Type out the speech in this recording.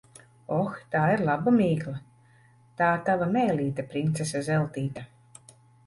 Oh, tā ir laba mīkla! Tā tava mēlīte, princese Zeltīte.